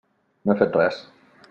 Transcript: No he fet res.